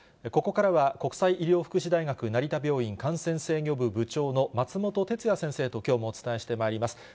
ここからは国際医療福祉大学成田病院感染制御部部長の松本哲哉先生と、きょうもお伝えしてまいります。